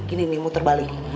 gini nih muter balik